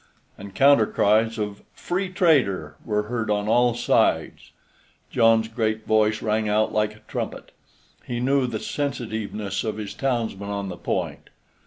and counter cries of "Freetrader!" were heard on all sides. John's great voice rang out like a trumpet. He knew the sensitiveness of his townsmen on the point.